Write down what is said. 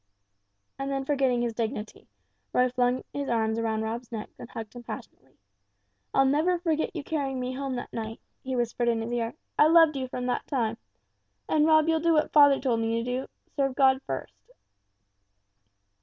And then forgetting his dignity, Roy flung his arms round Rob's neck and hugged him passionately. "I'll never forget you carrying me home that night," he whispered in his ear, "I loved you from that time. And Rob you'll do what father told me to do serve God first."